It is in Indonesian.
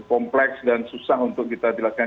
kompleks dan susah untuk kita jelaskan